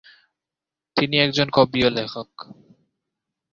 তিনি একজন কবি ও লেখক।